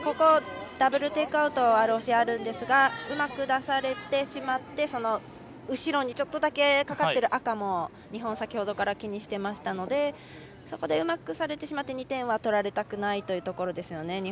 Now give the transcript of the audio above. ダブルテイクアウトがＲＯＣはあるんですがうまく出されてしまって後ろにちょっとだけかかっている赤も日本は先ほどから気にしていましたのでそこでうまくされてしまって２点は取られたくないですね